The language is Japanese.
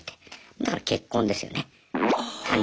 だから結婚ですよね単純に。